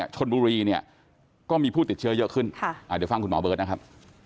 ชนบุรีเนี่ยก็มีผู้ติดเชื้อเยอะขึ้นเดี๋ยวฟังคุณหมอเบิร์ตนะครับ